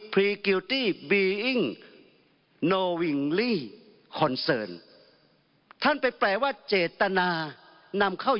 เป็นความต้องการความต้องการท่านไปแปลว่าเจตนานำเข้า